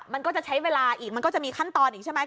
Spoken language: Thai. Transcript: มันก็จะใช้เวลาอีกมันก็จะมีขั้นตอนอีกใช่ไหม